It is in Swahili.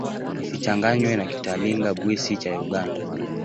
Isichanganywe na Kitalinga-Bwisi cha Uganda.